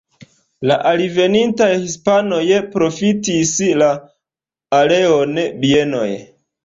La alvenintaj hispanoj profitis la areon bienoj.